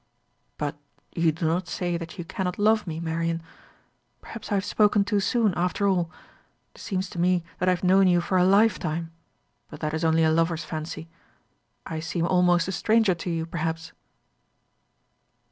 "But you do not say that you cannot love me, Marian. Perhaps I have spoken too soon, after all. It seems to me that I have known you for a lifetime; but that is only a lover's fancy. I seem almost a stranger to you, perhaps?"